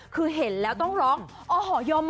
คือเห็นแล้วต้องร้องโอ้โหยม